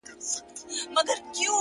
د غلا په جرم به پاچاصاب محترم نیسې;